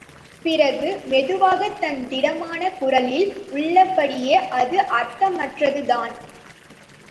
பிறகு மெதுவாக தன் திடமான குரலில் உள்ளபடியே அது அர்த்தமற்றதுதான்!